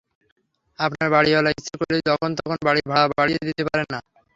আপনার বাড়িওয়ালা ইচ্ছে করলেই যখন-তখন বাড়ির ভাড়া বাড়িয়ে দিতে পারেন না।